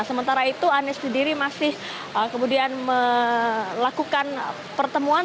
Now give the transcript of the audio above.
sementara itu anies sendiri masih kemudian melakukan pertemuan